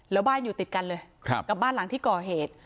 แล้วบ้านอยู่ติดกันเลยกับบ้านหลังที่ก่อเหตุ